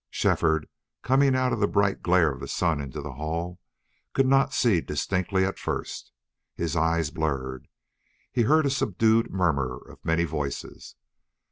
Shefford, coming out of the bright glare of sun into the hall, could not see distinctly at first. His eyes blurred. He heard a subdued murmur of many voices.